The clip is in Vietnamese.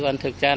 còn thực ra